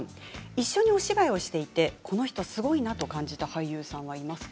一緒にお芝居をしていてこの人すごいなと感じた俳優さんはいますか？